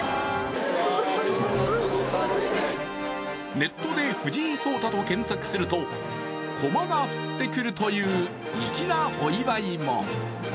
ネットで「藤井聡太」と検索すると駒が降ってくるという粋なお祝いも。